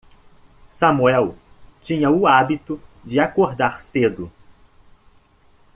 Sumuel tinha o hábito de acordar cedo.